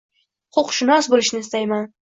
Huquqshunos bo`lishni istayman